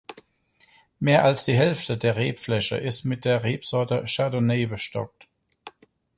Mehr als die Hälfte der Rebfläche ist mit der Rebsorte Chardonnay bestockt.